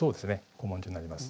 古文書になります。